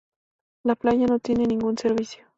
La playa no tiene ningún servicio.